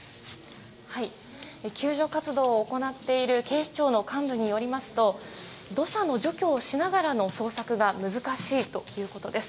救助活動を行っている警視庁の幹部によりますと土砂の除去をしながらの捜索が難しいということです。